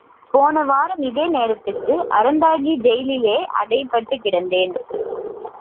போன வாரம் இதே நேரத்துக்கு அறந்தாங்கி ஜெயிலிலே அடைப்பட்டுக் கிடந்தேன்.